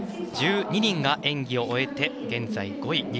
１２人が演技を終えて現在、５位。